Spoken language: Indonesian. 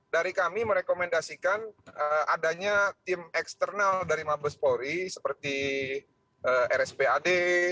dari kami merekomendasikan adanya tim eksternal dari mabes polri seperti rspad